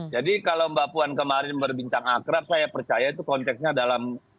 jadi kalau mbak puan kemarin berbincang akrab saya percaya itu konteksnya dalam